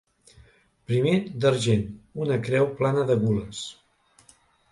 Primer, d'argent, una creu plana de gules.